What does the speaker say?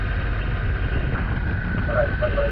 ستا د خوبونو نازولي عطر !.